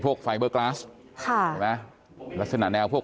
พวกไฟเบเกราะต์ค่ะราศนาแนวพวก